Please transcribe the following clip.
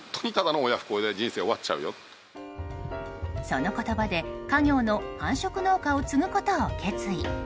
その言葉で、家業の繁殖農家を継ぐことを決意。